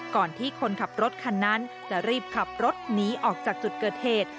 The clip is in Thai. ก่อนที่คนขับรถคันนั้นจะรีบขับรถหนีออกจากจุดเกิดเหตุ